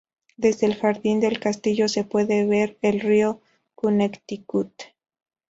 Desde el jardín del castillo se puede ver el río Connecticut.